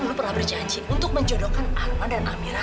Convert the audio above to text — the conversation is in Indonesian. belum pernah berjanji untuk menjodohkan arman dan amira